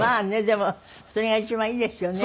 でもそれが一番いいですよね。